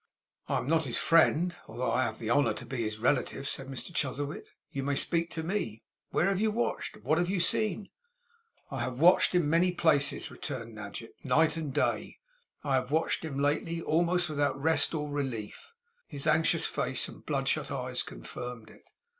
'I am not his friend, although I have the honour to be his relative,' said Mr Chuzzlewit. 'You may speak to me. Where have you watched, and what have you seen?' 'I have watched in many places,' returned Nadgett, 'night and day. I have watched him lately, almost without rest or relief;' his anxious face and bloodshot eyes confirmed it.